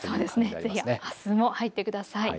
ぜひあすも入ってください。